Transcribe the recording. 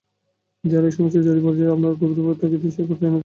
যারা এ সমস্যায় জড়িয়ে পড়েছে, আমাকে গভীরে গিয়ে শিকড় টেনে আনতে হবে।